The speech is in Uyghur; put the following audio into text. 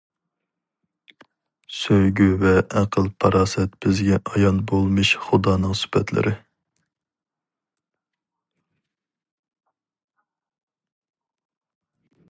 سۆيگۈ ۋە ئەقىل- پاراسەت بىزگە ئايان بولمىش خۇدانىڭ سۈپەتلىرى.